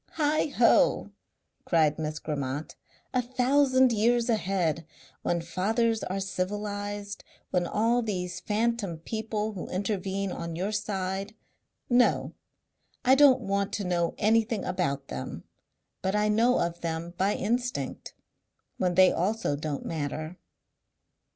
"Heighho!" cried Miss Grammont. "A thousand years ahead! When fathers are civilized. When all these phanton people who intervene on your side no! I don't want to know anything about them, but I know of them by instinct when they also don't matter."